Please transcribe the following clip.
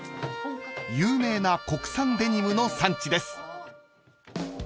［有名な国産デニムの産地です］